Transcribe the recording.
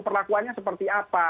perlakuannya seperti apa